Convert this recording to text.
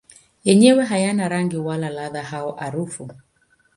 Yenyewe hayana rangi wala ladha au harufu.